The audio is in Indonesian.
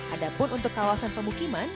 ada pun untuk kawasan pemukiman